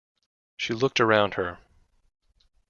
She looked around her.